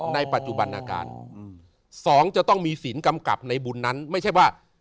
ในปัจจุบันอาการสองจะต้องมีศีลกำกับในบุญนั้นไม่ใช่ว่า